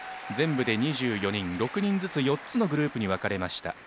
全部で２４人６人ずつ４つのグループに分かれました。